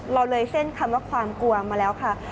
เราเลยเส้นคำว่าความกลัวมาแล้วค่ะ